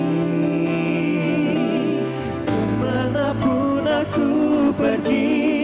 kemana pun aku pergi